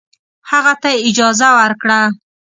هغه ته یې اجازه ورکړه.